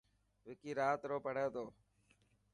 وڪي رات رو پهڙي تو.